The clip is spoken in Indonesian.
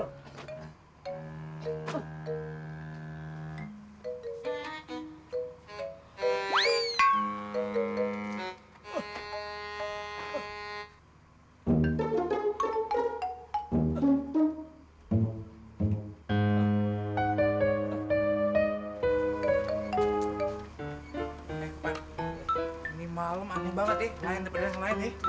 eh pak ini malem aneh banget nih main daripada yang lain nih